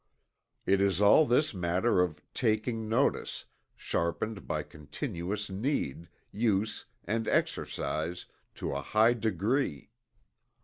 It is all this matter of "taking notice" sharpened by continuous need, use and exercise, to a high degree.